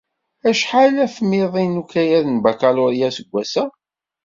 Acḥal afmiḍi n ukayad n bakalurya aseggas-a?